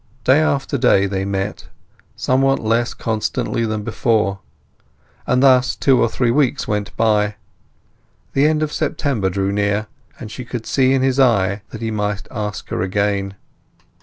Day after day they met—somewhat less constantly than before; and thus two or three weeks went by. The end of September drew near, and she could see in his eye that he might ask her again.